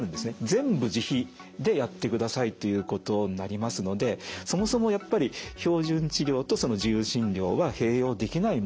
全部自費でやってくださいということになりますのでそもそもやっぱり標準治療とその自由診療は併用できないもの。